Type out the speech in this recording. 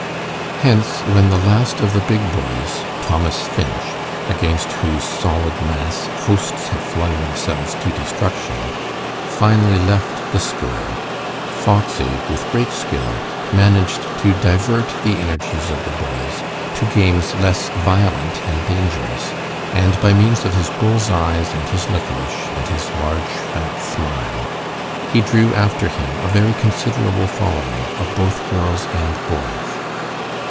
Hence, when the last of the big boys, Thomas Finch, against whose solid mass hosts had flung themselves to destruction, finally left the school, Foxy, with great skill, managed to divert the energies of the boys to games less violent and dangerous, and by means of his bull's eyes and his liquorice, and his large, fat smile, he drew after him a very considerable following of both girls and boys.